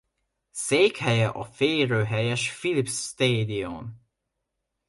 Székhelye a férőhelyes Philips Stadion.